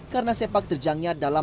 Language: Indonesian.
karena sepak terjangnya dalam